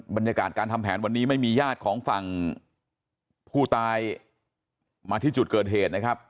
บรรยากาศการทำแผนวันนี้ไม่มีญาติของฝั่งผู้ตายมาที่จุดเกิดเหตุนะครับ